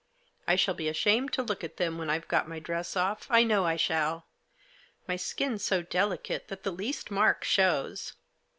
I shall be ashamed to look at them when I've got my dress off, I know I shall. My skin's so delicate that the least mark shows.